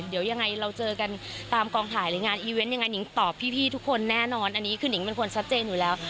เดี๋ยวยังไงเราเจอกันตามกองถ่ายหรืองานอีเวนต์ยังไงนิงตอบพี่ทุกคนแน่นอนอันนี้คือนิงเป็นคนชัดเจนอยู่แล้ว